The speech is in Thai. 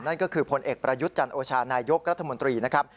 นั่นก็คือผลเอกประยุทธ์จันโอชานายกรัฐมนตรีนะครับ